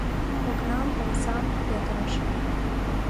Окнам, омсам петырыш...